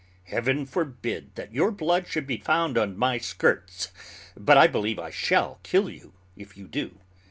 Heaven forbid that your blood should be found on my skirts! but I believe I shall kill you, if you do.